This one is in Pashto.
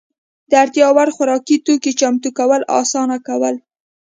د اړتیا وړ خوراکي توکو چمتو کول اسانه کول.